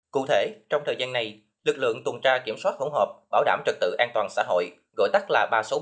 cụ thể trong thời gian này lực lượng tuần tra kiểm soát hỗn hợp bảo đảm trật tự an toàn xã hội gọi tắt là ba trăm sáu mươi một